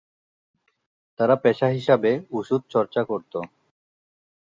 তারা পেশা হিসাবে ওষুধ চর্চা করত।